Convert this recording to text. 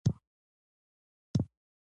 دا د شخصیت د تثبیت لپاره هم ده.